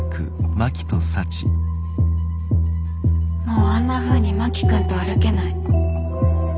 もうあんなふうに真木君と歩けない。